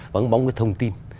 vắng bóng với thông tin